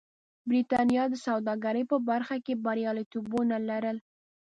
برېټانیا د سوداګرۍ په برخه کې بریالیتوبونه لرل.